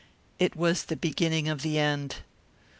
It was the beginning of the end.